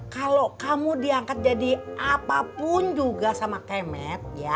kalau kamu diangkat jadi apapun juga sama kemet